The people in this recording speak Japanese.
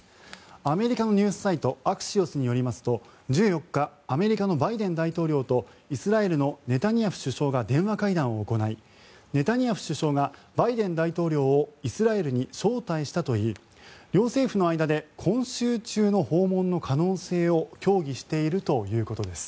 アメリカのニュースサイトアクシオスによりますと１４日アメリカのバイデン大統領とイスラエルのネタニヤフ首相が電話会談を行いネタニヤフ首相がバイデン大統領をイスラエルに招待したといい両政府の間で今週中の訪問の可能性を協議しているということです。